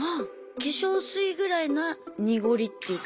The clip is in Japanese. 化粧水ぐらいな濁りっていうか。ね。